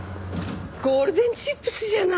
ゴールデンチップスじゃない！